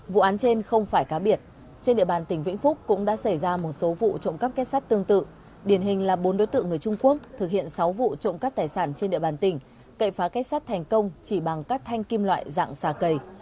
vụ án trên không phải cá biệt trên địa bàn tỉnh vĩnh phúc cũng đã xảy ra một số vụ trộm cắp kết sắt tương tự điển hình là bốn đối tượng người trung quốc thực hiện sáu vụ trộm cắp tài sản trên địa bàn tỉnh cậy phá kết sát thành công chỉ bằng các thanh kim loại dạng xà cầy